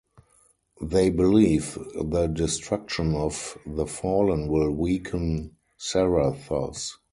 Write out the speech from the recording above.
They believe the destruction of The Fallen will weaken Zarathos.